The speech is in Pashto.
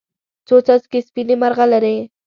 څو څاڅکي سپینې، مرغلرې